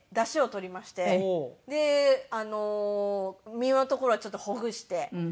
身のところはちょっとほぐして。